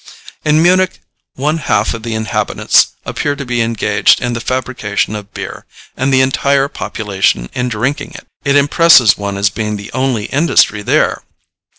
In Munich one half of the inhabitants appear to be engaged in the fabrication of beer and the entire population in drinking it. It impresses one as being the only industry there.